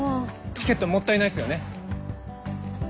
チケットもったいないっすよね？